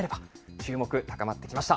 注目、高まってきました。